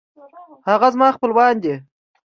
هغه زما خپلوان دی